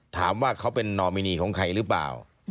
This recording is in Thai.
ถามว่าเขาเป็นนอมินีของใครหรือเปล่า